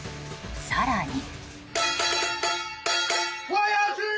更に。